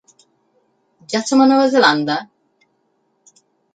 Ja som a Nova Zelanda?